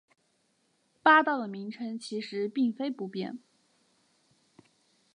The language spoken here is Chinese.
八道的名称其实并非不变。